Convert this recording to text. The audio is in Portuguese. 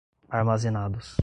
armazenados